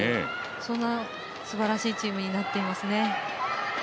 そんな、すばらしいチームになっていますね。